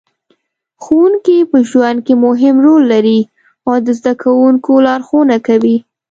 ښوونکې په ژوند کې مهم رول لري او د زده کوونکو لارښوونه کوي.